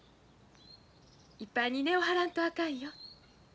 いっぱいに根を張らんとあかんよ。